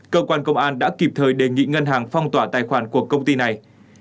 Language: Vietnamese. cơ quan công an đã kịp thời đề nghị ngân hàng phong tỏa tài khoản của công ty này